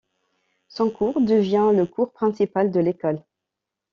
Son cours devient le cours principal de l'école.